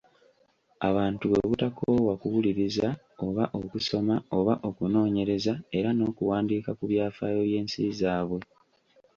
Abantu bwe butakoowa kuwuliriza, oba okusoma, oba okunoonyereza era n'okuwandiika ku byafaayo by'ensi zaabwe.